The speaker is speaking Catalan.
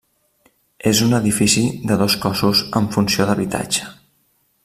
És un edifici de dos cossos amb funció d'habitatge.